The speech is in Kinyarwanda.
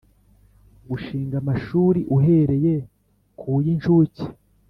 Gushinga amashuri uhereye ku y incuke